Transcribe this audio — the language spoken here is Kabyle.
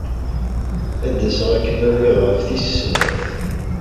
Ad d-aseɣ ad kem-awiɣ ɣef tis sat.